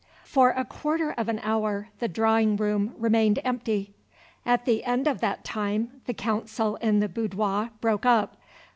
FOR a quarter of an hour the drawing room remained empty. At the end of that time the council in the boudoir broke up.